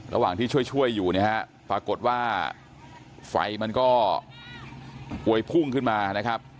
ระหว่างที่ช่วยช่วยอยู่นะฮะปรากฏว่าไฟมันก็พวยพุ่งขึ้นมานะครับ